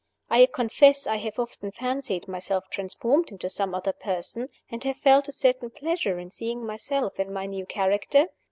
I confess I have often fancied myself transformed into some other person, and have felt a certain pleasure in seeing myself in my new character.